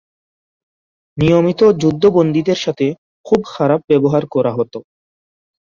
নিয়মিত যুদ্ধবন্দীদের সাথে খুব খারাপ ব্যবহার করা হত।